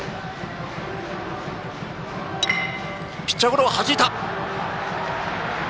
ピッチャーゴロ、はじいた。